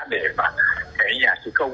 để cái nhà xây công